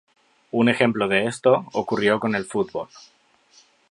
Un ejemplo de esto ocurrió con el fútbol.